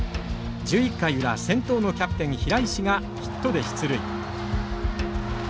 １１回裏先頭のキャプテン平石がヒットで出塁。